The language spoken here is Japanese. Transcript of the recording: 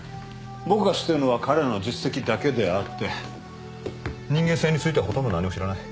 僕が知ってるのは彼らの実績だけであって人間性についてはほとんど何も知らない。